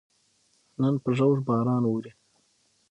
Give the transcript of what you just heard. نن په ژوژ باران ووري